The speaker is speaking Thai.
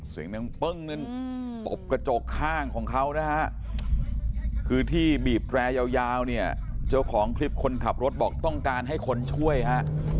เสียงหนึ่งปึ้งนึงตบกระจกข้างของเขานะฮะคือที่บีบแรยาวเนี่ยเจ้าของคลิปคนขับรถบอกต้องการให้คนช่วยฮะ